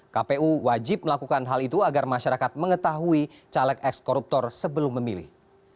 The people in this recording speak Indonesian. kpu wajib melakukan hal itu agar masyarakat mengetahui caleg ex koruptor sebelum memilih